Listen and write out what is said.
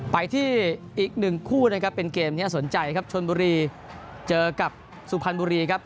ไปที่อีกนึงคู่ตั้งมาเป็นเกมนี้สนใจครับชนบุรีเจอกับซุภัณฑบุรีครับ